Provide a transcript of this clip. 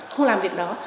không làm việc đó